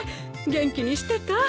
元気にしてた？